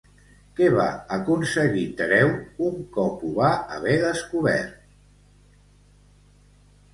Què va aconseguir Tereu, un cop ho va haver descobert?